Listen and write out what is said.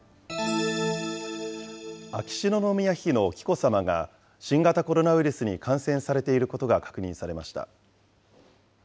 秋篠宮妃の紀子さまが、新型コロナウイルスに感染されていることが確認されました。